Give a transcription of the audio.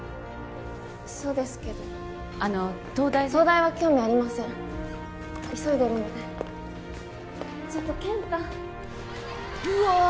そうですけどあの東大東大は興味ありません急いでるのでちょっと健太うわーっ